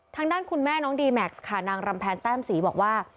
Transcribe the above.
ทางด้านคุณแม่น้องดีแม็กซ์ค่ะนางรำแพนแต้มศรีบอกว่า